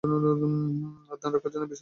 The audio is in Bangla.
আর ধান রাখার জন্য বিশাল ধানের গোলা।